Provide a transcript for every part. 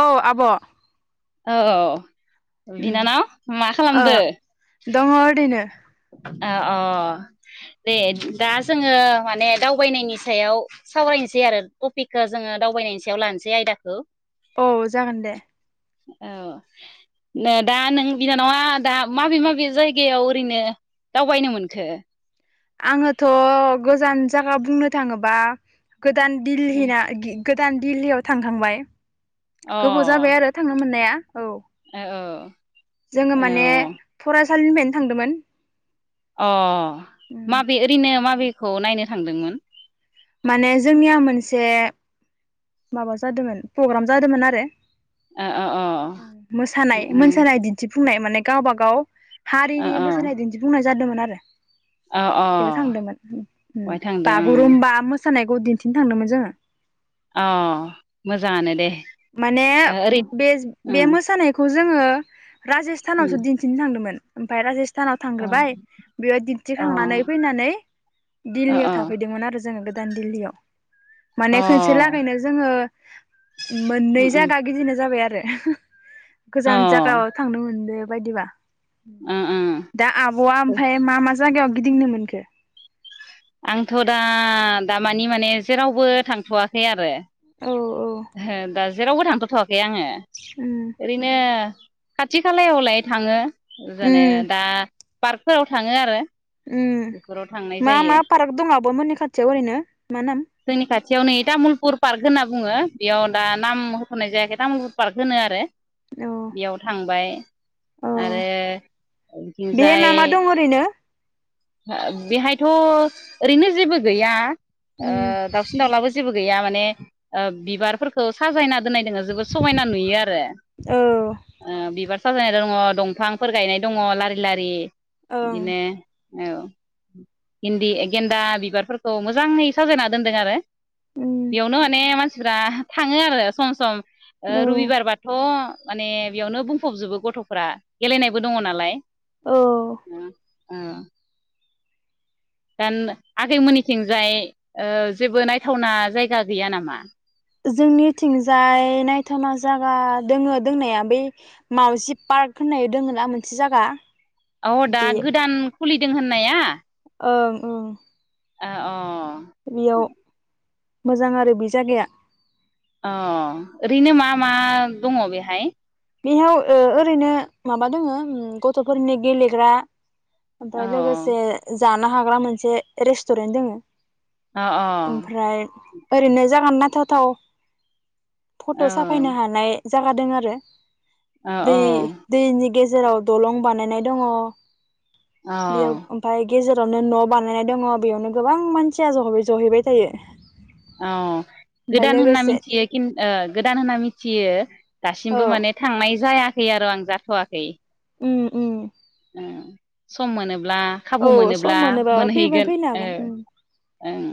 औ आब'। औ ओ बिनानाव मा खालामदो। दङ ओरैनो अअ दे दा जोङो माने दावबायनायनि सायाव सावरायनोसै आरो टपिकखौ जोङो दावबायनायनि सायाव लानोसै आयदाखौ। औ जागोन दे। औ नो दा नों बिनानावा दा माबे माबे जायगायाव ओरैनो दावबायनो मोनखो? आङोथ' गोजान जागा बुंनो थाङोबा गोदान अ [unintelligible] गोदान [unintelligible] थांखांबाय। गोबाव जाबाय आरो थांनो मोननाया। औ ए ओ जोङो माने फरास सालिनिफायनो थांदोमोन। अ माबे ओरैनो माबे? खौ नायनो थांदोंमोन? माने जोंनिया मोनसे माबा जादोमोन प्रग्राम जादोमोन आरो अ अ अ [inaudible] मोसानाय [unintelligible] दिन्थि बुंनाय माने गावबा गाव अ हारिनि मोसानाय दिन्थिफुंनाय जादोमोन आरो। अ अ बेयाव थांदोमोन ओम बहाय थांदों बागुरुम्बा सानायखौ दिन्थिनो थांदोमोन जोङो। अ मोजाङानो दे। माने ओरै बेज अ बे मोसानायखौ जो जोङो अ राजेस्थानावसो दिन्थिनो थांदोमोन। ओमफाय राजेस थानाव अ थांग्रोबाय बेयाव दिन्थिखांनानै फैनानै दिल्लीयाव अ थाफैदोंमोन आरो जोङो गोद दान दिल्लीयाव अ माने खोनसे लागैनो जोङो मोननै जागा गिदिंनाय जाबाय आ [unintelligible] गोजान जागायाव थांनो मोनदो बायदिबा दा आब'आ ओमफाय मा मा [unintelligible] जागायाव गिदिंनो मोनखो? आंथ' दा दामानि माने जेरावबो थांथ'वाखै आरो। औ औ हो दा जेरावबो [unintelligible] खै आङो। उम ओरैनो खाथि खालायावलाय थाङो। जेने उम दा पार्कफोराव थाङो आरो। उम बेफोराव थांनाय मा जायो मा पार्क दं आब'मोननि खाथियाव ओरैनो मा नाम? थियाव नै तामुलपुर पार्क होनना बुङो। बेयाव दा नाम होथ'नाय जायाखै तामुलुर पार्क होनो आरो। औ बेयाव थांबाय। औ आरो बेहाय मा बिथिंजाय मा दं ओरैनो ओ बेहायथ' ओरैनो जेबो गैया। ओ उम दाउसिन दाउलाबो जेबो गैया मोन ने ओ बिबारफोरखौ साजायना दोननाय दोङो जोबोद समायना नुयो आरो। औ ओं ओ बिबार साजायनाय दङ दंफांफोर गायनाय दङ लारि लारि। दिनो औ गिन्दि गेन्दा बिबारफोरखौ मोजाङै साजायना दोनदों आरो। उम बेयावनो माने मान सिफ्रा थाङो आरो सम सम। ओ औ रुबिबार बाथ' माने बेयावनो बुंफबजोबो गथ'फोरा गेलेनायबो दङ नालाय। औ ओ ओ दान आगैमोननिथिंजाय ओ जेबो नायथावना जायगा गैया नामा? जोंनिथिंजाय नायथावना जागा दोङो दोंनाया बे माउजि पार्क होननाय दोङो ना मोनसे जागा औ दा बे गोदान खुलिदों होननाया? ओं ओं ओ अ' बेयाव मोजां आरो बि जागाया अ' ओरैनो मा मा दङ बेहाय? बेहाव ओ ओरैनो माबा दोङो उम गथ'फोरनि गेलेग्रा औ ओमफाय लोगोसे ओज जानो हाग्रा मोनसे रेस्टुरेन्ट दोङो। अ अ औ ओमफ्राय ओरैनो जागोन नाथाव थाव फट' साफायनो हानाय जागादों आरो औ दै दैनि गेजेराव दलं बानायनाय दङ औ बियाव ओमफाय गेजेरावनो न' बानायनाय दङ बेयावनो गोबां मानसिया ज जहैबाय थायो। औ ओमफाय गोदान होनना लोगोसे मिथियो खिन ओ गोदान होनना मिथि थियो औ दासिमबो माने थांनाय जाया खै आरो आं जाथ'वाखै उम उम उम सम मोनो ब्ला खाबु औ सम मोनोब्ला मोनोबा फैबा मोनहैगोन फैनो औ ओ हागोन उम ओं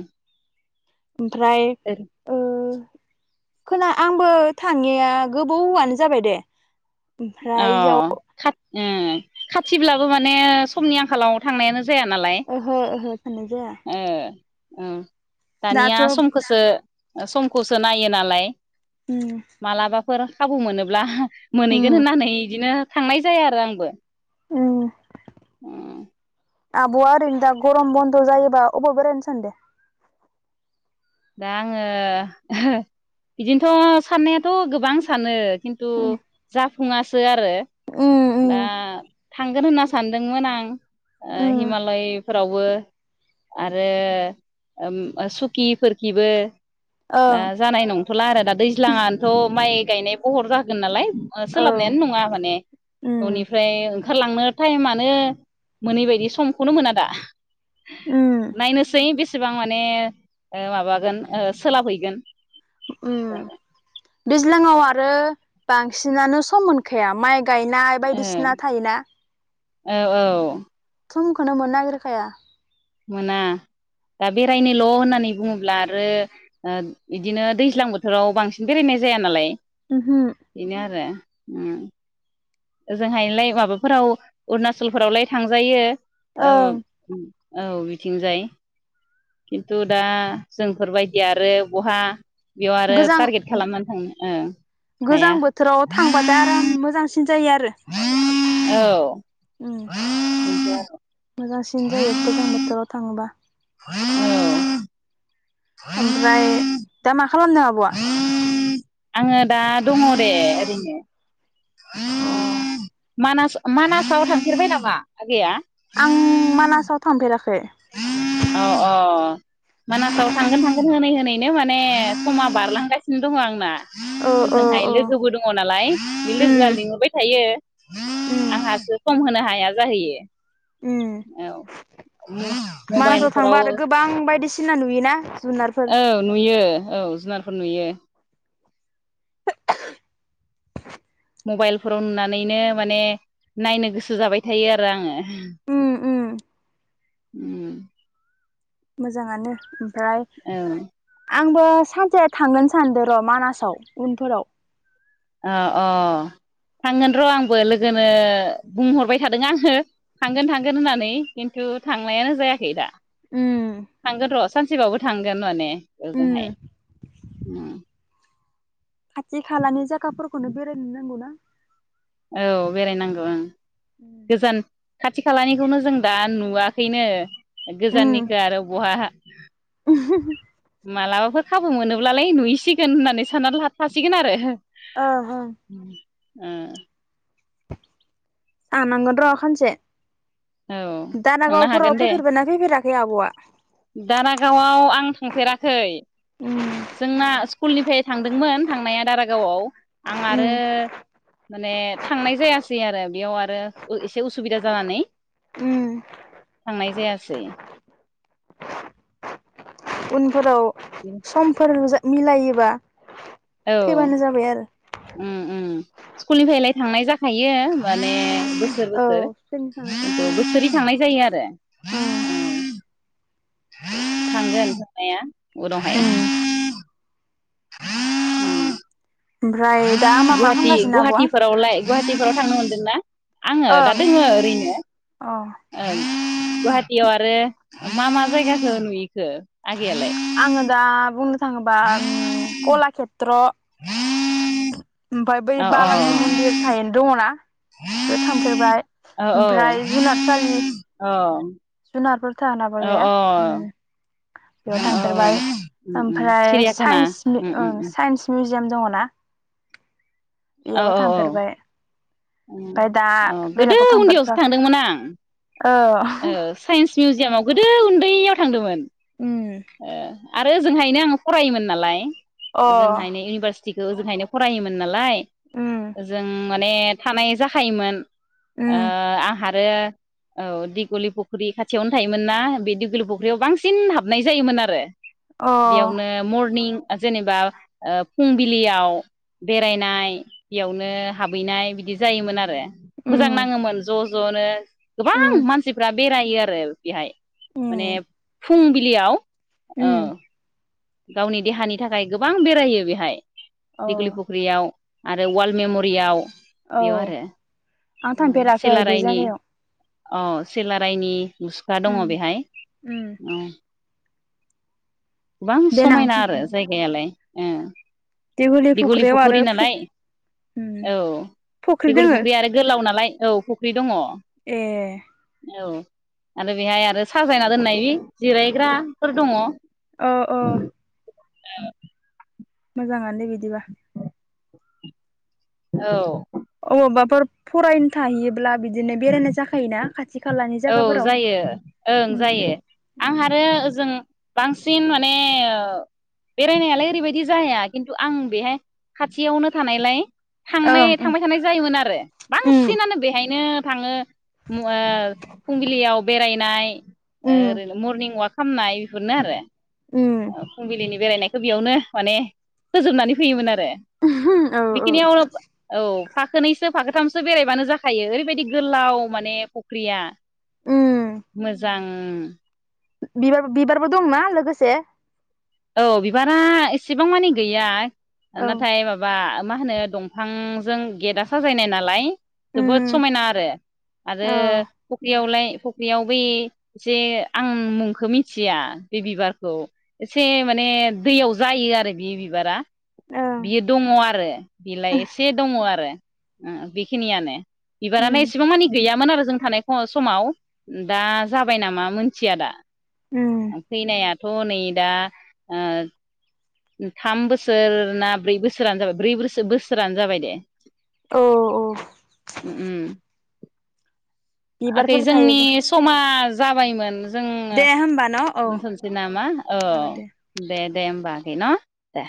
ओमफ्राय ओरै ओ खोना आंबो थांयिआ गोबौआनो जाबाय दे। अ ओमफ्राय इयाव ओ खाथिब्लाबो माने समनि आंखालाव थांनायानो जाया नालाय ओहो ओहो थांनाय जाया ओ ओ दानिया दाथ' समखौसो समखौसो नायो नालाय उम फोर खाबु मोनोब्ला गोन उम होननानैै बिदिनो थांनाय जाया आरो आंबो औ उम आब'आ ओरैनो दा गरम बन्द' जायोबा अबे बेरायनो सानदो? दा आङो ओहो बिदिनोथ' साननायाथ' गोबां सानो खिन्थु उम जा फुङासो आरो उम दा उम थांगोन होनना सानदोंमोन आं ओ उम हिमालयफोरावबो आरो ओम सुकिफोरखिबो‌ दा ओं जानाय नंथ'ला आरो दा दैज्लाङानोथ' माइ गायनाय बहर जागोन नालाय ओ ओं सोलाबनायानो नङा माने उम न'निफ्राय ओं खारलांनो टाइमानो मोनैबायदि समखौनो मोना दा उम नायनोसै बे सेबां माने ओ माबागोन ओ सोलाबहैगोन [inaudible] उम दैज्लाङाव आरो बांसिनानो सम मोनखाया माइ गायनाय ओ बायदिसिना थायोना औ औ समखौनो मोननो नागिरखाया मोना दा बेरायनोल' होननानै बुङोब्ला आरो ओ इदिनो दैज्लां बोथोराव बांसिन बेरायनाय जाया नालाय उमहो बिनो आरो उम ओजोंहायलाय माबाफोराव अरुणाचलफोरावलाय थांजायो। औ ओं औ बिथिंजाय खिन्थु दा जोंफोरबायदि आरो बहा बेयाव आरो गोजां टारगेट खालामनानै थांनो ओं हाया गोजां बोथोराव थांबाथाय आराम मोजांसिन जायो आरो औ उम मोजांसि सिन जायो गोजां बोथोराव थाङो बा औ ओमफ्राय दा माखा खालामनो आब'आ? आङो दा दङ दे ओरैनो अ मानास मानासाव थांफेरबाय नामा आगैया? आं मानासाव थांफेराखै। अ अ मानासाव थांगोन थांगोन होनै होनैनो माने समा बारलांगासिनो दङ आंना। ओ ओ ओजोंहाय ओ लोगोबो दङ नालाय बे उम लोगोआ लिंहबाय थायो। उम आंहासो खम होनो हा हाया उम जाहैयो औ मानासाव थांबा मबाइलफोराव आरो गोबां बायदिसिना नुयोना जुनारफोर औ नुयो औ जुनारफोर नुयो। मबाइलफोराव नुनानैनो माने नायनो गोसो जाबाय थायो आरो आङो ह उम उम [unintelligible] उम। मोजाङानो उम। औ। आंबो सानसे थांगोन सानदो र' मानासाव उनफोराव। अ अ थांगोन र' आंबो लोगोनो बुंहरबाय थादों आङो थांगोन थांगोन होननानै खिन्थु थांनायानो जायाखै दा थांगोन र' सानसेबावबो थांगोन माने ओजोंहाय उम। [unintelligible] खालानि जागाफोरखौनो बेरायनो नांगौ ना औ बेरायनांगौ ओं। गोजोन [unintelligible] खाथि खालानिखौनो जों दा नुवाखैनो उम गोजाननिखो आरो बहा-हा मालाबाफोर खाबु मोनोब्लालाय नुहैसिगोन होननानै साननानै लाखा सिगोन आरो। ओ होम। ओ। जानांगोन र'खानसे। औ थांनो हागोन दे फैफेराखै आब'आ दारागावआव आं थांफेराखै उम जोंना स्कुलनिफ्राय थांदोंमोन थांनाया दारागावआव आं आरो माने थांनाय जायासै आरो बेयाव आरो ओ एसे उसुबिदा जानानै। उम थांनाय जायासै सै [unintelligible] फोराव सम फोरजा मिलायोबा औ फैबानो जाबाय आरो। उम उम स्कुलनिफ्रायलाय थांनाय जाखायो माने बोसोर औ बोसोर फैनो थांनाय सोर जाखायो बोसोरै थांनाय जायो आरो ओ थांगोन थांनाया उनावहाय उम हम। ओमफ्राय दा मा मा खालामगासिनो आब'आ गुहाटि-गुवाहाटिफोरावलाय गुवाहाटिफोराव थांनो मोनदोंना? आङो दा ओं दोङो ओरैनो अ ओं गुहाटियाव आरो मा मा जायगाखौ नुयो? आङो दा बुंनो थाङोबा कला खेत्र ओमफ्राय बै अ बालाजि मन्दिर थाहैनो दङना थांफेरबाय औ औ ओमफ्राय जुनारसालि अ जु नारफोर अ अ बेयाव अ औ थांफेरबाय उम उम ओमफ्राय सिरियाखाना साइन्स उम उम साइन्स मिउजिक [unintelligible] दङना औ बेयावबो औ औ थांफेरबाय उम ओमफाय दा अ गोदो बेलेगाव उन्दैयावसो थांफेरथ'वाखै थांदोंमोन आं औ ओ साइन्स मिउजियामाव गोदो उन्दैयाव थांदोंमोन उम ओ आरो ओजोंहायनो आङो फरायोमोन नालाय अ ओजोंहायनो इउनिभारसि थिखौ ओजोंहायनो फरायोमोन नालाय उम ओजों माने थानाय जाखायोमोन ओ उम आंहा बे औ दिक दिगलि फुख्रि खाथियावनो थायोमोन ना बे दिगलि फुख्रियाव बांसिन हाबनाय जायोमोन आरो अ बेयावनो मरनिं जेनेबा फुंबिलियाव बेरायनाय बेयावनो हाबहैनाय बिदि जायोमोन आरो। मोजां उम नाङोमोन ज' जनो उम गोबां मानसि बेरायो आरो बेहाय माने उम फुंबिलियाव औ उम गावनि देहानि थाखाय गोबां बेरायो बेहाय अ दिगलि फुख्रियाव आरो अवाल मेम'रियाव। औ बेयाव आरो आं औ थांफेराखै बे सिलारायनि जायगायाव। औ सेलारायनि मुसुखा उम दङ बेहाय उम गोबां देनां समायना आरो थांगोन जायगायालाय। ए दिघुलि बिगुलि फुख्रियाव फख्रि आरो फु नालाय उम औ फुख्रि बिगुलि दोङो फख्रिया आरो गोलाव नालाय औ फुख्रि दङ ए औ आरो बेहाय आरो साजायना दोननाय बि जिरायग्राफोर दङ। अ अ [unintelligible] मोजाङानो बि दिबा औ अबावबाफोर फरायनो थाहैयोब्ला बिदिनो बेरायनाय जाखायोना खाथि खालानि औ जायगाफोराव जायो ओं उम जायो आं आरो ओजों बांसिन माने बेरायनायालाय ओरैबायदि जाहाया खिन्थु आं बेहाय खाथियावनो थानायलाय थांनाय ओं ओं थांबाय थानाय जायोमोन आरो उम बांसिनानो बेहायनो थाङो [unintelligible] फुंबिलियाव बेरायनाय उम ओरैनो मर्निं वाक खामनाय नो आरो उम ओ फुंबिलिनि बेरायनायखौ बेयावनो माने फोजोबनानै फैयोमोन आरो बे औ औ बेखिनिआव औ फाखोनैसो फाखोथामसो बेरायबानो जाखायो ओरैबायदि गोलाव माने फख्रिया उम मोजां ओं बिबार बिबारबो दं ना लोगोसे? औ बिबारा एसेबां मानि गैया औ नाथाय माबा मा होनो दंफां जों गेटआ साजायनाय नालाय जोबोद उम समायना आरो आरो औ फख्रियावलाय फख्रियाव बै एसे आं मुंखौ मिथिया बे बिबारखौ एसे माने दैयाव जायो आरो बे बिबारा ओं बियो दङ आरो बेलाय एसे दङ आरो बेखिनियानो। बिबारानो उम एसेबां मानि गैयामोन आरो जों थानाय फरायनाय समाव दा जाबाय नामा मोनथिया दा उम फैनाया थ नै दा ओ थाम बोसोर ना ब्रै बोसोरानो जाबाय ब्रै बोसोर बोसोरानो जाबाय दे औ औ ओ-ओम। आगै बिबारफोर जोंनि थायोबो समाज जाबायमोन जोङो दे होमबा न' औ दोनथ'सै नामा औ दे? दे होमबा गै न दे।